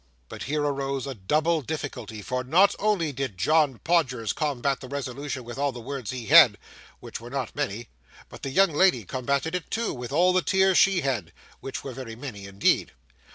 But here arose a double difficulty, for not only did John Podgers combat the resolution with all the words he had, which were not many, but the young lady combated it too with all the tears she had, which were very many indeed.